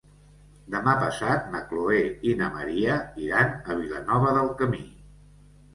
Demà passat na Chloé i na Maria iran a Vilanova del Camí.